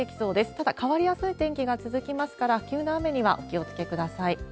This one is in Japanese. ただ、変わりやすい天気が続きますから、急な雨にはお気をつけください。